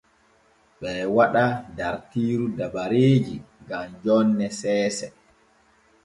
Ɓee waɗa dartiiru dabareeji gam jonne seese.